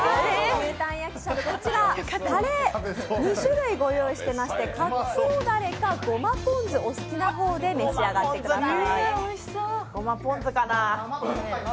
牛タン焼きしゃぶ、たれ２種類ご用意していましてかつおダレかゴマぽんずお好きな方で、召し上がってください。